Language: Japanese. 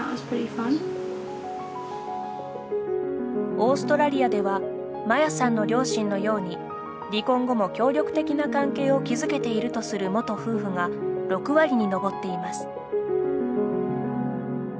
オーストラリアではマヤさんの両親のように離婚後も協力的な関係を築けているとする元夫婦が６割に上っています。